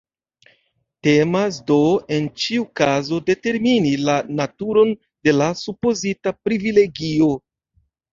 Temas, do, en ĉiu kazo determini la naturon de la supozita “privilegio.